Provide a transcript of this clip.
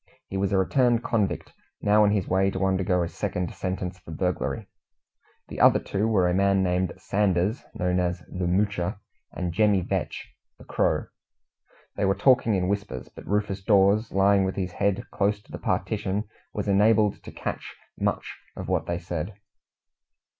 He was a returned convict, now on his way to undergo a second sentence for burglary. The other two were a man named Sanders, known as the "Moocher", and Jemmy Vetch, the Crow. They were talking in whispers, but Rufus Dawes, lying with his head close to the partition, was enabled to catch much of what they said.